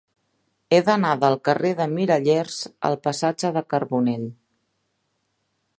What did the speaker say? He d'anar del carrer de Mirallers al passatge de Carbonell.